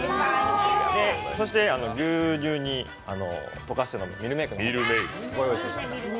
そして、牛乳に溶かして飲むミルメークをご用意しました。